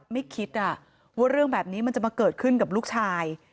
ไม่คิดว่าเรื่องแบบนี้มันจะมาเกิดขึ้นกับลูกชาย